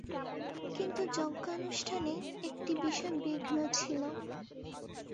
কিন্তু যজ্ঞানুষ্ঠানে একটি বিষম বিঘ্ন ছিল।